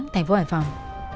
thành phố hải phòng